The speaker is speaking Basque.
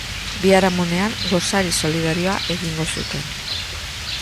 Biharamunean gosari solidarioa egingo zuten.